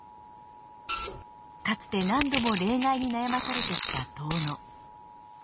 かつて何度も冷害に悩まされてきた遠野。